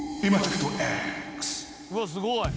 「うわっすごい！」